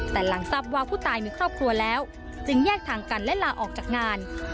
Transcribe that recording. แต่หลังทรัพย์ว่าผู้ตายมีครอบครัวแล้วจึงแยกทางกันและลาออกจากงาน